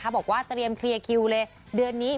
บอกว่าเตรียมเคลียร์คิวเลยเดือนนี้